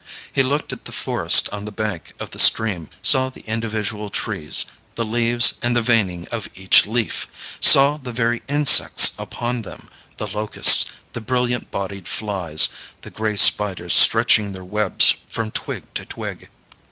He looked at the forest on the bank of the stream, saw the individual trees, the leaves and the veining of each leaf saw the very insects upon them, the locusts, the brilliant bodied flies, the gray spiders stretching their webs from twig to twig.